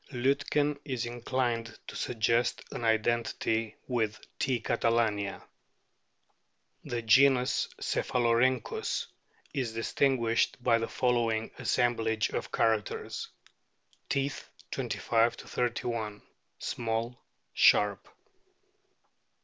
Liitken is inclined to suggest an identity with T. catalania. The genus CEPHALORHYNCHUS is distinguished by the following assemblage of characters : Teeth, 25 31, small, sharp.